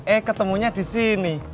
eh ketemunya di sini